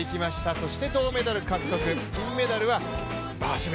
そして銅メダル獲得金メダルは、バーシム。